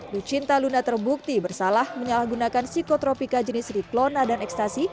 lucinta luna terbukti bersalah menyalahgunakan psikotropika jenis riclona dan ekstasi